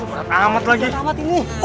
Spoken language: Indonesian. berat amat lagi